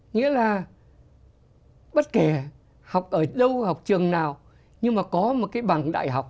nghĩa là bất kể học ở đâu học trường nào nhưng mà có một cái bằng đại học